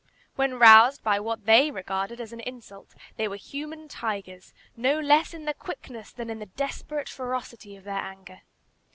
When roused by what they regarded as an insult, they were human tigers, no less in the quickness than in the desperate ferocity of their anger.